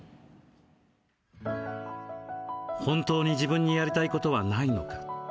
本当に自分にやりたいことはないのか？